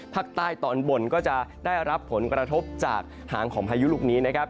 ภาคใต้ตอนบนก็จะได้รับผลกระทบจากหางของพายุลูกนี้นะครับ